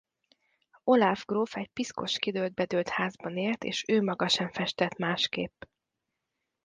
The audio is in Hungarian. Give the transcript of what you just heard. Olaf gróf egy piszkos kidőlt-bedőlt házban élt és ő maga sem festett másképp.